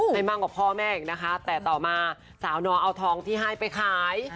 ให้มากกว่าพ่อแม่อีกนะคะแต่ต่อมาสาวนอเอาทองที่ให้ไปขาย